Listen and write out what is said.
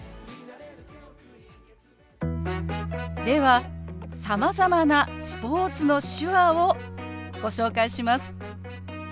ではさまざまなスポーツの手話をご紹介します。